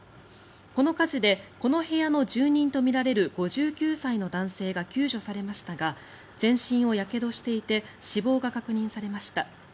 この火事でこの部屋の住人とみられる５９歳の男性が救助されましたが全身をやけどしていて死亡が確認されました。